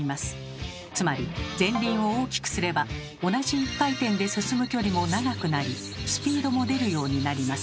つまり前輪を大きくすれば同じ１回転で進む距離も長くなりスピードも出るようになります。